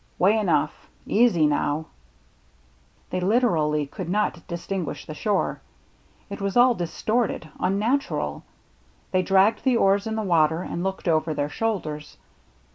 " Way enough — easy now !" They literally could not distinguish the shore — it was all distorted, unnatural. They dragged the oars in the water and looked over their shoulders.